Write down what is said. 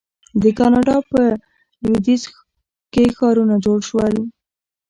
د کاناډا په لویدیځ کې ښارونه جوړ شول.